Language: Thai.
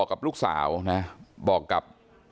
ไม่ตั้งใจครับ